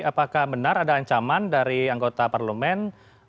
apakah benar ada ancaman dari anggota parlemen